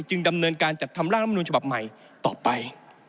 ดำเนินการจัดทำร่างรัฐมนุนฉบับใหม่ต่อไป